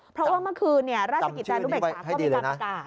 เพราะว่าเมื่อคืนราชกิจจานุเบกษาก็มีการประกาศ